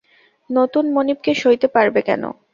নতুন মনিবকে সইতে পারবে কেন।